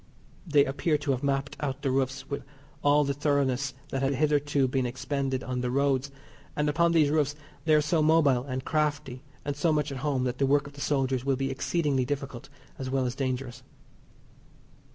They appear to have mapped out the roofs with all the thoroughness that had hitherto been expended on the roads, and upon these roofs they are so mobile and crafty and so much at home that the work of the soldiers will be exceedingly difficult as well as dangerous.